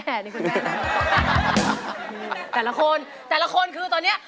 แต่ละคนแต่ละคนคือตอนนี้